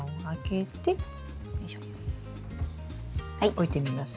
置いてみます？